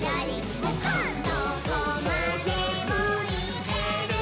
「どこまでもいけるぞ！」